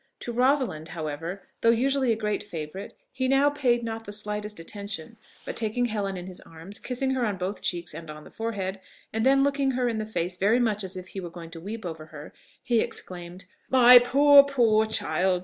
To Rosalind, however, though usually a great favourite, he now paid not the slightest attention; but taking Helen in his arms, kissing her on both cheeks and on the forehead, and then looking her in the face very much as if he were going to weep over her, he exclaimed, "My poor, poor child!...